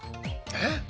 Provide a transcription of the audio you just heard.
「えっ？